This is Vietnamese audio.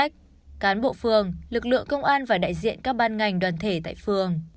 cán bộ phường lực lượng công an và đại diện các ban ngành đoàn thể tại phường